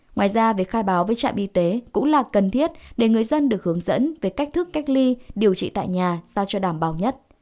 ngoài ra việc khai báo với trạm y tế cũng là cần thiết để người dân được hướng dẫn về cách thức cách ly điều trị tại nhà giao cho đảm bảo nhất